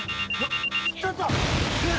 ちょっと！